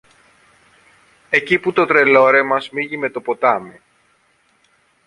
εκεί που το Τρελόρεμα σμίγει με το ποτάμι.